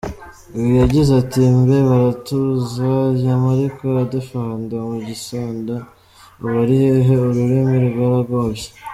Uyu yagize ati : “Mbe Baratuza yama ariko adefendant mugisoda ubu ari hehe ?Ururimi rwaragovye ?